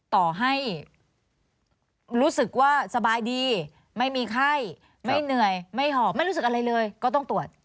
ต่อให้รู้สึกว่าสบายดีไม่มีไข้ไม่เหนื่อยไม่หอบไม่รู้สึกอะไรเลยก็ต้องตรวจ